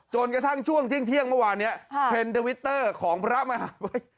จนกระทั่งช่วงเที่ยงเมื่อวานนี้เทรนด์ทวิตเตอร์ของพระมหาวิทย์